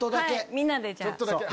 みんなでじゃあ。